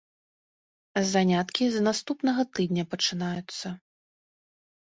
Заняткі з наступнага тыдня пачынаюцца.